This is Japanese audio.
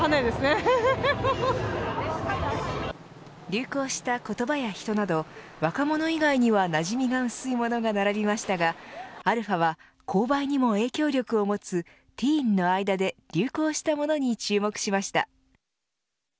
流行したコトバやヒトなど若者以外にはなじみが薄いものが並びましたがαは、購買にも影響力を持つティーンの間で流行したモノに注目しました。